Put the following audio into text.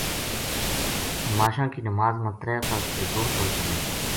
نماشاں کی نماز ما ترے فرض تے دو سنت ہوویں۔